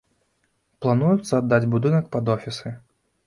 Плануецца аддаць будынак пад офісы.